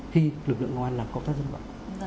khi lực lượng an làm công tác dân vận